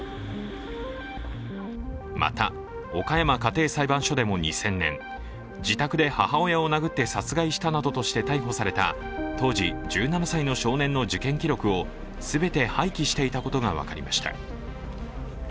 また、岡山家庭裁判所でも２０００年自宅で母親を殴って殺害したなどとして逮捕された当時１７歳の少年の事件記録を全て廃棄していたことが分かりました。